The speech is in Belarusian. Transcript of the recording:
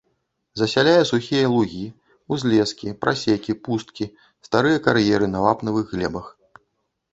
Засяляе сухія лугі, узлескі, прасекі, пусткі, старыя кар'еры на вапнавых глебах.